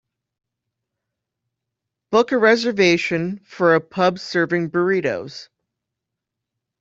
Book a reservation for a pub serving burritos